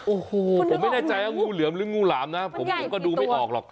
โอ้โหผมไม่แน่ใจว่างูเหลือมหรืองูหลามนะผมก็ดูไม่ออกหรอก